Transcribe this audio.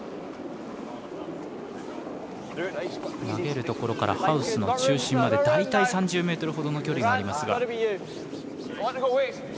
投げるところからハウスの中心まで大体３０ｍほどの距離があります。